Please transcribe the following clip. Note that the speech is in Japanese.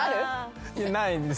ないです。